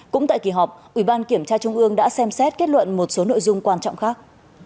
cũng tại kỳ họp ủy ban kiểm tra trung ương đã xem xét kết luận một số nội dung quan trọng khác